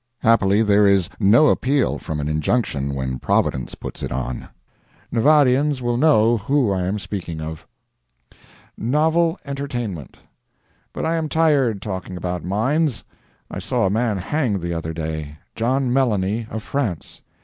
Happily there is no appeal from an injunction when Providence puts it on. Nevadians will know who I am speaking of. NOVEL ENTERTAINMENT But I am tired talking about mines. I saw a man hanged the other day. John Melanie, of France.